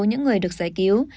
những người được giải cứu